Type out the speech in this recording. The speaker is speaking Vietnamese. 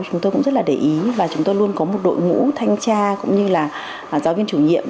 chúng tôi cũng rất là để ý và chúng tôi luôn có một đội ngũ thanh tra cũng như là giáo viên chủ nhiệm